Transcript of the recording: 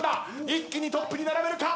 一気にトップに並べるか？